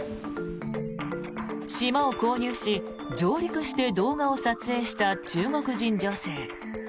島を購入し、上陸して動画を撮影した中国人女性。